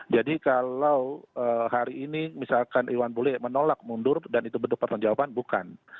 jadi kalau hari ini misalkan iwan bule menolak mundur dan itu bentuk pertanggung jawaban bukan